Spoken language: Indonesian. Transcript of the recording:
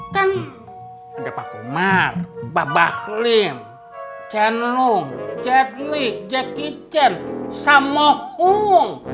kan ada pak kumar bapak halim chen lung jet li jackie chen sam moh ung